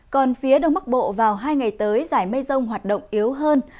còn phía đông bắc bộ vào hai ngày tới giải mây rông hoạt động yếu hơn